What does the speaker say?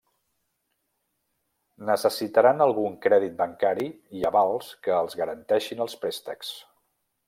Necessitaran algun crèdit bancari i avals que els garanteixin els préstecs.